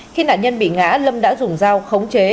khi nạn nhân bị ngã lâm đã dùng dao khống chế